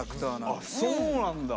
あそうなんだ。